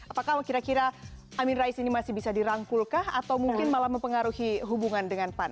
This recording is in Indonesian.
apakah kira kira amin rais ini masih bisa dirangkul kah atau mungkin malah mempengaruhi hubungan dengan pan